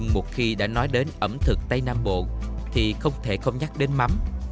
một khi đã nói đến ẩm thực tây nam bộ thì không thể không nhắc đến mắm